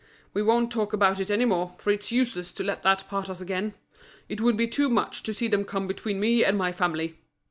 We won't talk about it any more, for it's useless to let that part us again. It would be too much to see them come between me and my family!